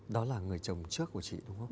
đó là người chồng trước của chị đúng không